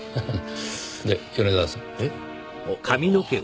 で米沢さん。え？あっああ。